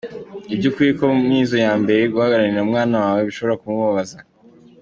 Ni iby’ukuri ko mu mizo ya mbere, guhakanira umwana wawe bishobora kumubabaza.